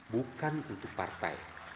bukan untuk partai